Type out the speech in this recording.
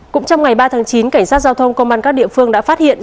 cũng trong ngày ba tháng chín cảnh sát giao thông công an các địa phương đã phát hiện